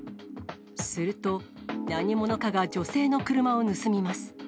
すると、何者かが女性の車を盗みます。